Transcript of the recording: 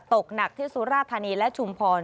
ตกหนักที่สุราธานีและชุมพร